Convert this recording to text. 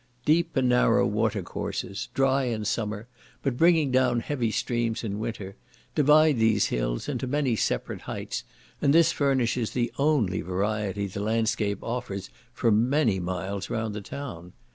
Deep and narrow water courses, dry in summer, but bringing down heavy streams in winter, divide these hills into many separate heights, and this furnishes the only variety the landscape offers for many miles round the town.